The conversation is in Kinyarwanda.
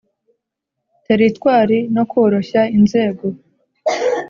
teritwari no koroshya inzego